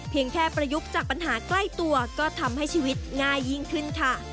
แค่ประยุกต์จากปัญหาใกล้ตัวก็ทำให้ชีวิตง่ายยิ่งขึ้นค่ะ